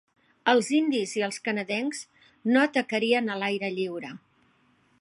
Els indis i els canadencs no atacarien a l'aire lliure.